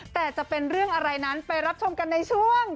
แต่จะเป็นเรื่องอะไรนั้นไปรับชมกันในช่วง